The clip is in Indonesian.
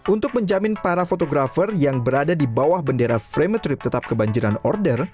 untuk menjamin para fotografer yang berada di bawah bendera frametrip tetap kebanjiran order